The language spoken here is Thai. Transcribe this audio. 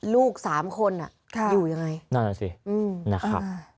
ลูกสามคนอ่ะค่ะอยู่ยังไงนั่นสิอืมนะครับ